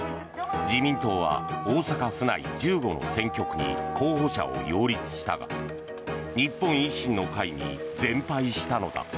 自民党は大阪府内１５の選挙区に候補者を擁立したが日本維新の会に全敗したのだ。